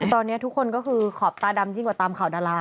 ตอนนี้ทุกคนก็คือขอบตาดำยิ่งกว่าตามข่าวดารา